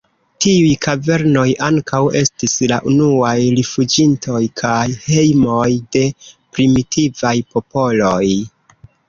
Tiuj kavernoj ankaŭ estis la unuaj rifuĝintoj kaj hejmoj de primitivaj popoloj.